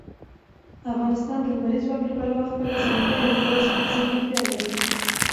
افغانستان د لمریز ځواک له پلوه خپله ځانګړې او پوره ځانته ځانګړتیاوې لري.